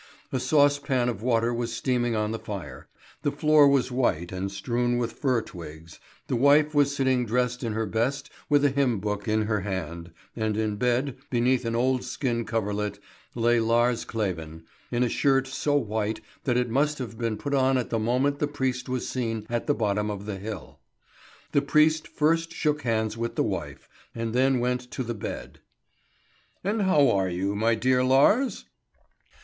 A saucepan of water was steaming on the fire, the floor was white and strewn with fir twigs, the wife was sitting dressed in her best with a hymn book in her hand, and in bed, beneath an old skin coverlet, lay Lars Kleven, in a shirt so white that it must have been put on at the moment the priest was seen at the bottom of the hill. The priest first shook hands with the wife, and then went to the bed. "And how are you, my dear Lars?"